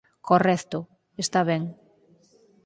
Correcto, está ben.